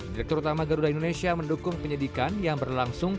direktur utama garuda indonesia mendukung penyidikan yang berlangsung